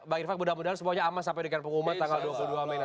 mbak irfan semoga semuanya aman sampai di kampung umat tanggal dua puluh dua mei